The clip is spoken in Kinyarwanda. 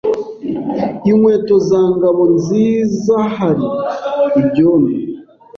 Inkweto za Ngabonzizahari ibyondo.